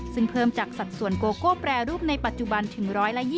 ซึ่งเพิ่มจากสัดส่วนโกโก้แปรรูปในปัจจุบันถึง๑๒๐